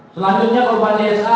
selanjutnya korban dsa